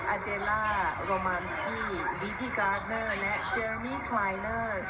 อาเจล่าโรมานสกี้ดิกี้การ์ดเนอร์และเจลมี่คลายเนอร์